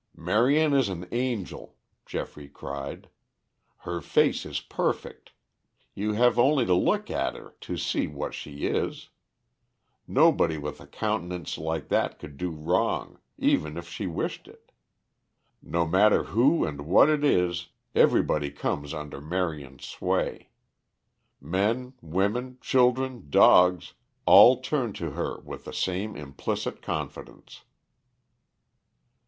"Marion is an angel," Geoffrey cried. "Her face is perfect. You have only to look at her to see what she is. Nobody with a countenance like that could do wrong, even if she wished it. No matter who and what it is everybody comes under Marion's sway. Men, women, children, dogs, all turn to her with the same implicit confidence."